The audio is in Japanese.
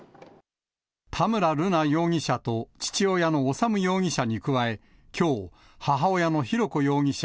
田村瑠奈容疑者と父親の修容疑者に加え、きょう、母親の浩子容疑者